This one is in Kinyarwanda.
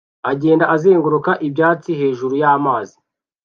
agenda azenguruka ibyatsi hejuru y'amazi